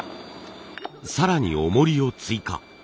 更に重りを追加。